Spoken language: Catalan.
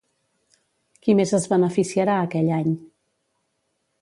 Qui més es beneficiarà aquell any?